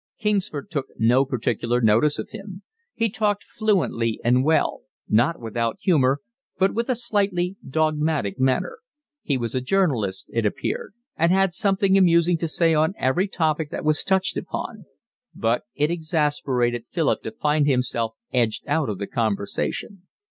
Kingsford took no particular notice of him. He talked fluently and well, not without humour, but with a slightly dogmatic manner: he was a journalist, it appeared, and had something amusing to say on every topic that was touched upon; but it exasperated Philip to find himself edged out of the conversation.